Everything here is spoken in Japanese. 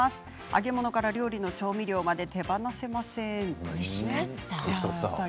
揚げ物から料理の調味料まで手放せません。